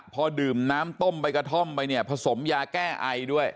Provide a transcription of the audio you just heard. พอดื่มน้ำต้มใบกระท่อมไปเนี่ยผสมยาแก้ไอด้วย